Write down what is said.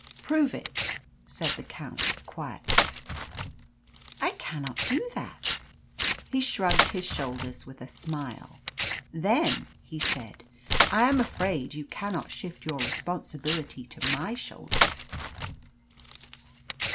"Prove it," said the Count quietly. "I cannot do that." He shrugged his shoulders with a smile. "Then," he said, "I am afraid you cannot shift your responsibility to my shoulders."